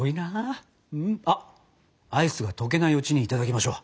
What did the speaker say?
あっアイスが溶けないうちにいただきましょう。